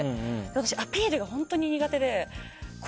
私、アピールが本当に苦手で。